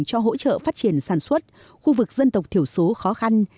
cho hỗ trợ phát triển sản xuất khu vực dân tộc thiểu số khó khăn